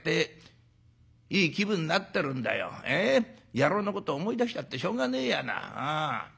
野郎のこと思い出したってしょうがねえやな。